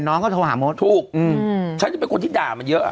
น้องก็โทรหามดถูกอืมฉันจะเป็นคนที่ด่ามันเยอะอ่ะ